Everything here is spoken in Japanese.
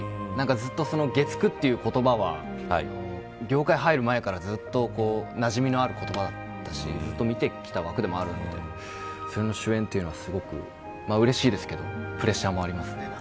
ずっと月９という言葉は業界に入る前からずっとなじみのある言葉だったしずっと見てきた枠でもあるのでそれの主演というのはすごくうれしいですけどプレッシャーもありますね。